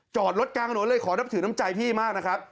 จอดรถกลางถนนเลยขอนับถือน้ำใจพี่มากนะครับ